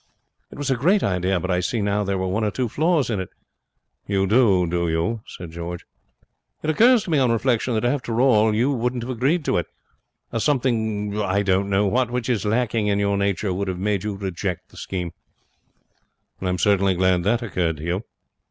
It was a great idea, but I see now there were one or two flaws in it.' 'You do, do you?' said George. 'It occurs to me on reflection that after all you wouldn't have agreed to it. A something, I don't know what, which is lacking in your nature, would have made you reject the scheme.' 'I'm glad that occurred to you.'